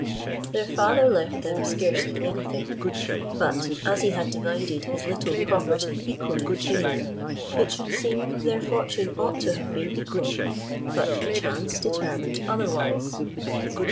Their father left them scarcely any thing; but as he had divided his little property equally between them, it should seem their fortune ought to have been equal; but chance determined otherwise.